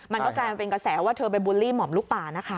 มันก็กลายเป็นกระแสว่าเธอไปบูลลี่หม่อมลูกป่านะคะ